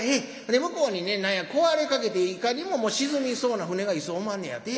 で向こうにね何や壊れかけていかにも沈みそうな船が一艘おまんねやて。